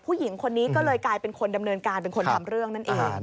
ผู้หญิงคนนี้ก็เลยกลายเป็นคนดำเนินการเป็นคนทำเรื่องนั่นเอง